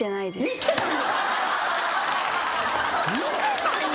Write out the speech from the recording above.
見てない。